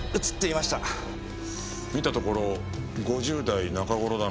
見たところ５０代中頃だな。